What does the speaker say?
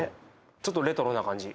ちょっとレトロな感じ